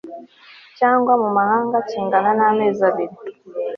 cyangwa mu mahanga kingana n amezi abiri